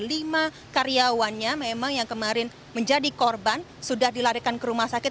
lima karyawannya memang yang kemarin menjadi korban sudah dilarikan ke rumah sakit